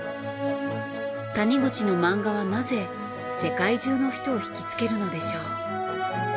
谷口の漫画はなぜ世界中の人をひきつけるのでしょう。